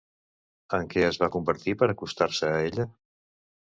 En què es va convertir per acostar-se a ella?